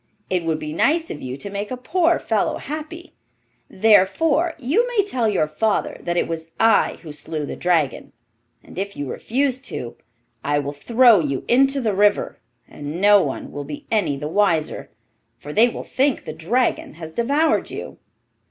It would be nice of you to make a poor fellow happy; therefore you may tell your father that it was I who slew the dragon, and if you refuse to, I will throw you into the river, and no one will be any the wiser, for they will think the dragon has devoured you.